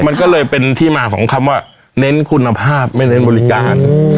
มันก็เลยเป็นที่มาของคำว่าเน้นคุณภาพไม่เน้นบริการ